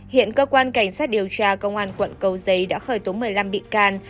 hiện cơ quan cảnh sát điều tra công an quận cầu giấy đã khởi tố một mươi năm bị can